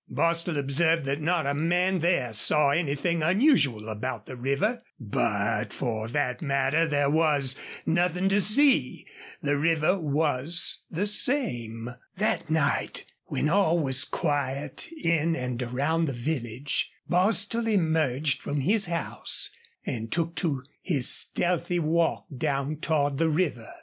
Bostil observed that not a man there saw anything unusual about the river. But, for that matter, there was nothing to see. The river was the same. That night when all was quiet in and around the village Bostil emerged from his house and took to his stealthy stalk down toward the river.